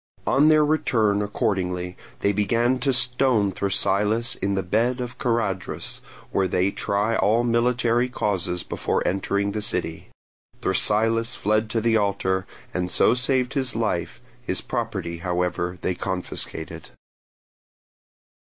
On their return accordingly they began to stone Thrasylus in the bed of the Charadrus, where they try all military causes before entering the city. Thrasylus fled to the altar, and so saved his life; his property however they confiscated.